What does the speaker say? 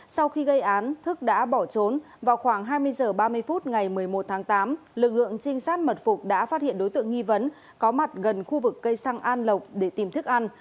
sau khi gây án thức đã bỏ trốn vào khoảng hai mươi h ba mươi phút ngày một mươi một tháng tám lực lượng trinh sát mật phục đã phát hiện đối tượng nghi vấn có mặt gần khu vực cây xăng an lộc để tìm thức ăn